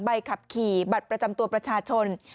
ใบขับขี่บัตรประจำตัวประชาชน